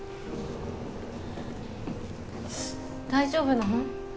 大丈夫なの？